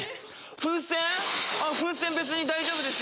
風船別に大丈夫ですよ。